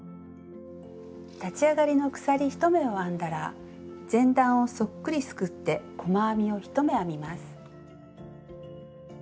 立ち上がりの鎖１目を編んだら前段をそっくりすくって細編みを１目編みます。